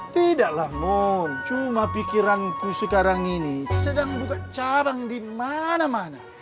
tidaklah mohon cuma pikiranku sekarang ini sedang buka cabang di mana mana